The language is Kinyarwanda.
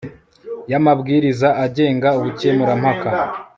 y amabwiriza agenga ubukemurampaka